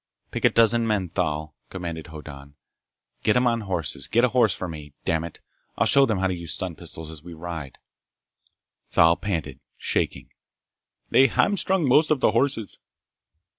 "Pick a dozen men, Thal!" commanded Hoddan. "Get 'em on horses! Get a horse for me, dammit! I'll show 'em how to use the stun pistols as we ride!" Thal panted, shaking: "They ... hamstrung most of the horses!"